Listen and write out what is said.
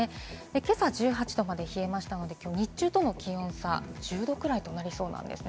今朝１８度まで冷えましたので、日中との気温差１０度くらいとなりそうです。